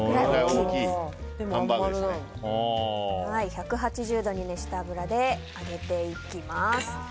１８０度に熱した油で揚げていきます。